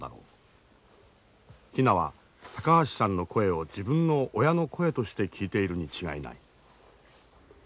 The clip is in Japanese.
ヒナは高橋さんの声を自分の親の声として聞いているに違いない。